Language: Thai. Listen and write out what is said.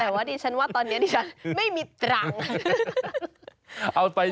แต่ว่าดิฉันว่าตอนนี้ดิฉันไม่มีตรัง